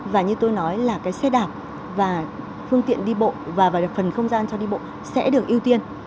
và như tôi nói là cái xe đạp và phương tiện đi bộ và phần không gian cho đi bộ sẽ được ưu tiên